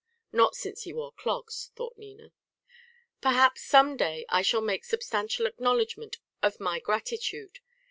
("Not since he wore clogs," thought Nina.) "Perhaps some day I shall make substantial acknowledgment of my gratitude.